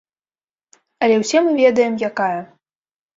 Але ўсе мы ведаем, якая.